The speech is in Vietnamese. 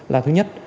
là thứ nhất